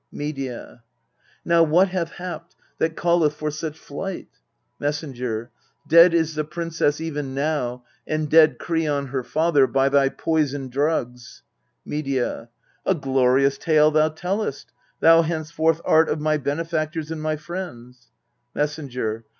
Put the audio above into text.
Medea. Now what hath happed that calleth for such flight? Messenger. Dead is the princess even now, and dead Kreon her father, by thy poison drugs. Medea. A glorious tale thou tellest : thou henceforth Art of my benefactors and my friends. Messenger.